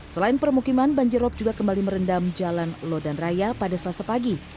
selain permukiman banjirop juga kembali merendam jalan lodan raya pada selasa pagi